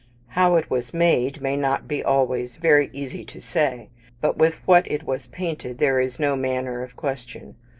How it was made, may not be always very easy to say; but with what it was painted there is no manner of question.